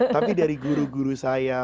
tapi dari guru guru saya